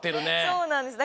そうなんです。